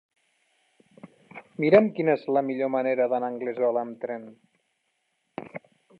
Mira'm quina és la millor manera d'anar a Anglesola amb tren.